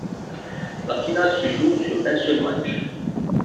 La finale se joue sur un seul match.